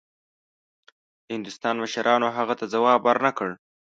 د هندوستان مشرانو هغه ته ځواب ورنه کړ.